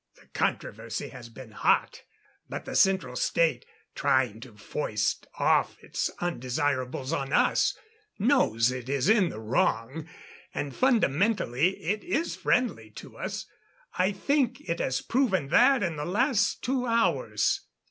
"The controversy has been hot; but the Central State trying to foist off its undesirables on us knows it is in the wrong. And fundamentally, it is friendly to us I think it has proven that in the last two hours."